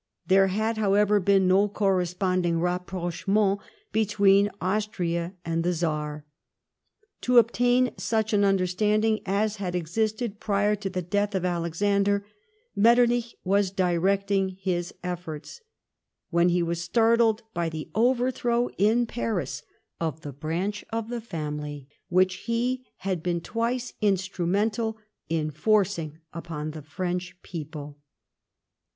There had, however, been no corresponding rapprochement between Austria and the Czar. To obtain such an understandin"; as had existed prior to the death of Alexander, ^Metternich was directing his efforts, when he was startled by the overthrow, in Paris, of the branch of the family which he had been twice instrumental in forcing upon the French people.